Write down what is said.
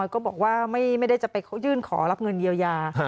ก็บอกว่าไม่ได้จะไปยื่นขอรับเงินเยียวยา